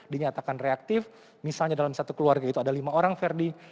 dinyatakan reaktif misalnya dalam satu keluarga itu ada lima orang ferdi